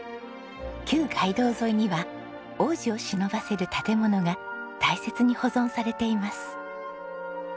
旧街道沿いには往時をしのばせる建物が大切に保存されています。